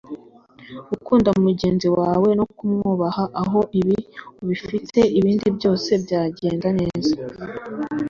gukunda mugenzi wawe no kumwubaha aho ibi ubifite ibindi byose byagenda neza